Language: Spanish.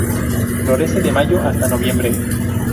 Florece de mayo hasta noviembre.